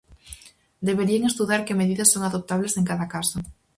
Deberían estudar que medidas son adoptables en cada caso.